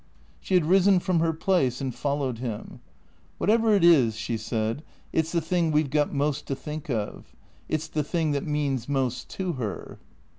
She had risen from her place and followed him. "Whatever it is," she said, " it 's the thing we 've got most to think of. It 's the thing that means most to her."